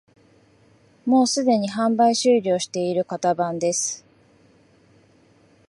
もうすでに販売終了している型番です